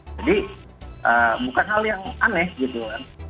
jadi bukan hal yang aneh gitu kan